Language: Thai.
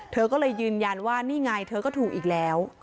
เธอก็เลยยืนยันว่านี่ไงเธอก็ถูกอีกแล้ว